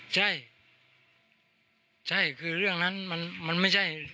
ใช่ใช่คือเรื่องนั้นมันไม่ใช่